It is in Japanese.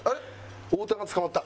太田が捕まった！